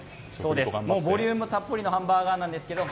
もう、ボリュームたっぷりのハンバーガーなんですけれども。